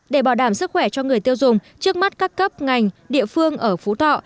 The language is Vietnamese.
để bảo đảm sức khỏe cho người tiêu dùng trước mắt các cấp ngành địa phương ở phú thọ